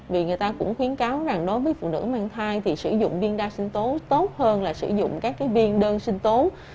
vì người ta cũng khuyến cáo rằng đối với phụ nữ mang thai thì sử dụng viên đa sinh tố tốt hơn là sử dụng các viên đơn sinh tố